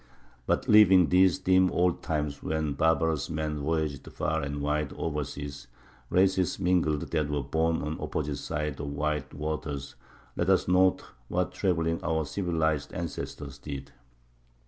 But leaving these dim old times when barbarous men voyaged far and wide over seas, and races mingled that were born on opposite sides of wide waters, let us note what traveling our civilized ancestors did.